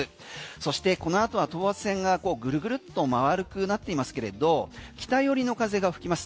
そしてこのあとは等圧線がぐるぐるっと丸くなっていますけれど北寄りの風が吹きます。